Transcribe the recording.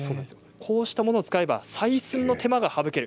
こうしたものを使うと採算の手間が省けます。